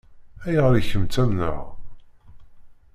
Ayɣer i kem-ttamneɣ?